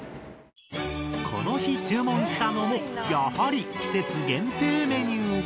この日注文したのもやはり季節限定メニュー。